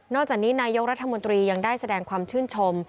จากนี้นายกรัฐมนตรียังได้แสดงความชื่นชม